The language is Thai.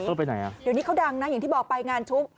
เดี๋ยวนี้เขาดังนะอย่างที่บอกไปงานชุม